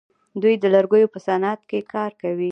دوی د لرګیو په صنعت کې کار کوي.